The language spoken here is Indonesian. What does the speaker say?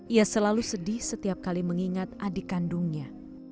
ia selalu sedih setiap kali mengingat adik kandungnya